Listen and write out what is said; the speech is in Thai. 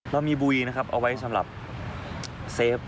เรามีบุยนะครับเอาไว้สำหรับเซฟ